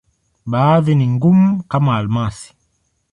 Baadhi ni ngumu, kama almasi.